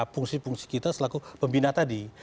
fungsi fungsi kita selaku pembina tadi